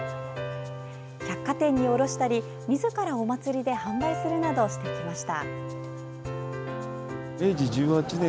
百貨店に卸したりみずからお祭りで販売するなどしてきました。